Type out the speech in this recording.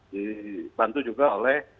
dibantu juga oleh